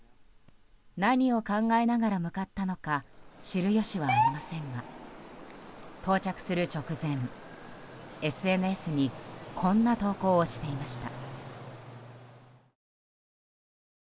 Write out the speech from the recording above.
何を考えながら向かったのか知る由はありませんが到着する直前、ＳＮＳにこんな投稿をしていました。